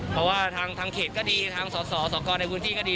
เพราะว่าทางเขตก็ดีทางสอสอสอกรในวื้นที่ก็ดีเนี่ย